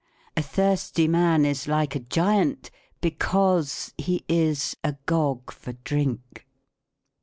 " A thirsty man is like a Giant because he is a Gog for drink."